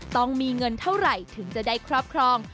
ต้องมีเงินเท่าไหร่ถึงจะได้ครอบครอง